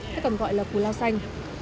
hay còn gọi là cù lao xanh